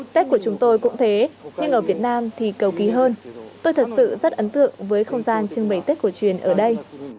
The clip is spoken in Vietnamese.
tết của chúng tôi cũng thế nhưng ở việt nam thì cầu kỳ hơn tôi thật sự rất ấn tượng với không gian trưng bày tết cổ truyền ở đây